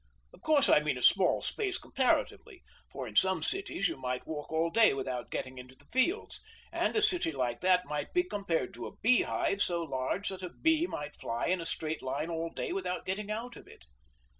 Of course I mean a small space comparatively; for in some cities you might walk all day without getting into the fields; and a city like that might be compared to a beehive so large that a bee might fly in a straight line all day without getting out of it."